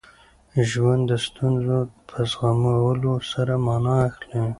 ژوند د ستونزو په زغمولو سره مانا اخلي.